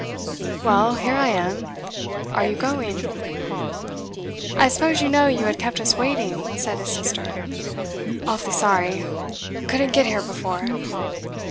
'Well, here I am. Are you going?' 'I suppose you know you have kept us waiting,' said his sister. 'Awf'ly sorry. Couldn't get here before.